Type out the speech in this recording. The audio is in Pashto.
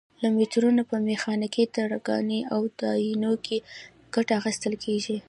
له مترونو په میخانیکي، ترکاڼۍ او ودانیو کې ګټه اخیستل کېږي.